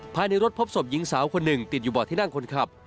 ภายในรถพบศพหญิงสาวคนหนึ่งติดอยู่บ่อที่นั่งคนขับ